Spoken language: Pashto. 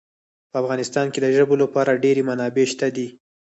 په افغانستان کې د ژبو لپاره ډېرې منابع شته دي.